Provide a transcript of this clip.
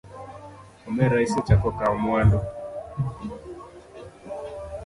Omera isechako kawo mwandu.